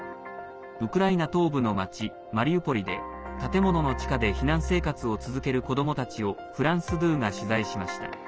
ウクライナ東部の町マリウポリで建物の地下で避難生活を続ける子どもたちをフランス２が取材しました。